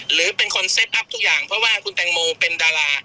หรือเป็นคนเซฟอัพทุกอย่างเพราะว่าคุณแตงโมเป็นดารา